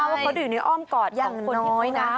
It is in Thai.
ว่าเขาจะอยู่ในอ้อมกอดของคนนี้นะ